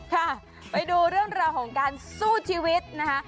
ค่ะไปดูเรื่องราวของการสู้ชีวิตนะคะ